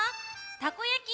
たこやき！